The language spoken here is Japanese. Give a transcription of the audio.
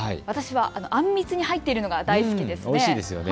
私はあんみつに入っているのが大好きです。